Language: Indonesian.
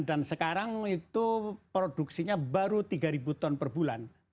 dan sekarang itu produksinya baru tiga ribu ton per bulan